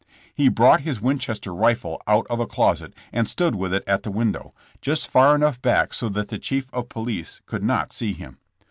He brought his Winchester rifle out of a closet and stood with it at the window, just far enough back so that the chief of police could not see him.